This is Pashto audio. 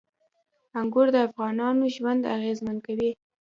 انګور د افغانانو ژوند اغېزمن کوي.